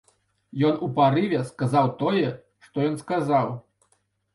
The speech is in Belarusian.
Ён у парыве сказаў тое, што ён сказаў.